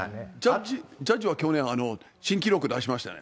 ジャッジは去年、新記録出しましたよね。